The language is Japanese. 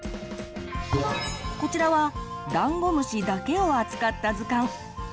こちらはダンゴムシだけを扱った図鑑。